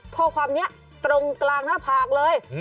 ข้อความนี้ตรงกลางหน้าผากเลย